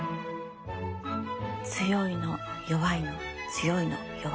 強いの弱いの強いの弱いの。